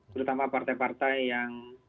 terutama partai partai yang